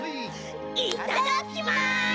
いただきます！